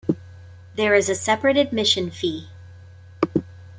There is a separate admission fee.